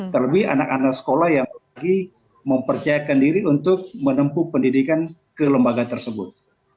terlebih anak anak sekolah yang lagi mempercayakan diri untuk menempuh pendidikan ke lembaga tersebut